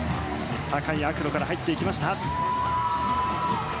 高いアクロから入っていきました。